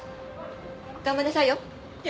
頑張りなさいよ。